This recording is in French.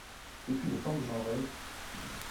Depuis le temps que j’en rêve!